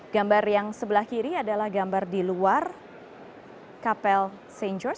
gambar yang sebelah kiri adalah gambar di luar kapel st george